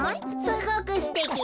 すごくすてき。